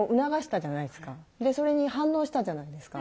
でそれに反応したじゃないですか。